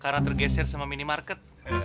karena tergeser sama minimarket